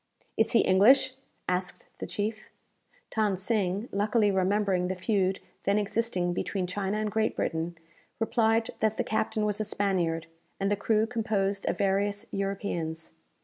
"Is he English?" asked the chief. Than Sing, luckily remembering the feud then existing between China and Great Britain, replied that the captain was a Spaniard, and the crew composed of various Europeans.